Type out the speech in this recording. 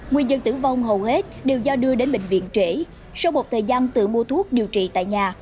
nguyên nhân tử vong hầu hết đều do đưa đến bệnh viện trễ sau một thời gian tự mua thuốc điều trị tại nhà